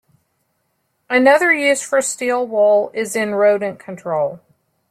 Another use for steel wool is in rodent control.